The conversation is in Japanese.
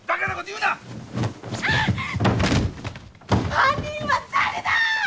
犯人は誰だ！